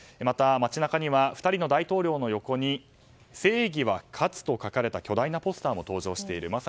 また、街中には２人の大統領の横に正義は勝つと書かれた巨大なポスターも登場している。